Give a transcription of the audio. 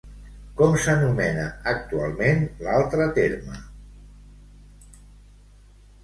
Com s'anomena actualment l'altra Terme?